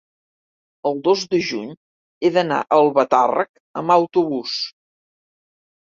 el dos de juny he d'anar a Albatàrrec amb autobús.